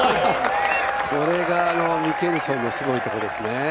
これがミケルソンのすごいところですね。